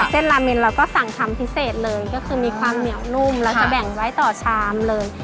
เส้นลาเมนเราก็สั่งทำพิเศษเลยก็คือมีความเหนียวนุ่มเราจะแบ่งไว้ต่อชามเลย